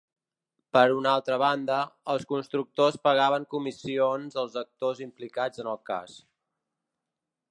Per una altra banda, els constructors pagaven comissions als actors implicats en el cas.